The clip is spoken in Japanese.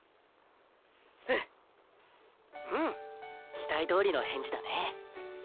期待どおりの返事だね。